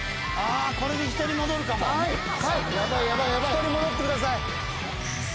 ヒトに戻ってください。